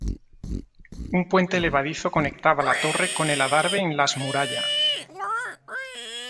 Un puente levadizo conectaba la torre con el adarve en las muralla.